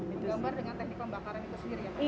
menggambar dengan teknik pembakaran itu sendiri ya